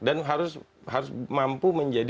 dan harus mampu menjadi